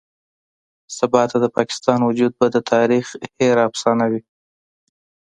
سباته د پاکستان وجود به د تاريخ هېره افسانه وي.